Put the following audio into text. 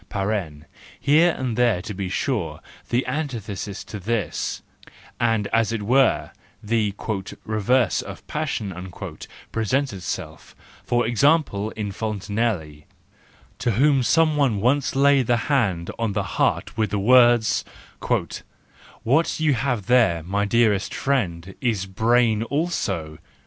(Here and there to be sure, the antithesis to this, and as it were the "reverse of passion," presents itself; for example in Fontenelle, to whom some one once laid the hand on the heart with the words, " What you have there, my dearest friend, is brain also.")